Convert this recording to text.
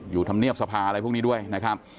ธรรมเนียบสภาอะไรพวกนี้ด้วยนะครับ